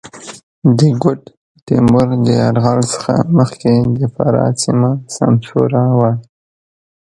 د ګوډ تېمور د یرغل څخه مخکې د فراه سېمه سمسوره وه.